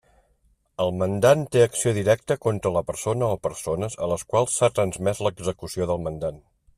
El mandant té acció directa contra la persona o persones a les quals s'ha transmès l'execució del mandat.